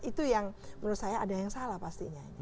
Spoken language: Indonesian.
itu yang menurut saya ada yang salah pastinya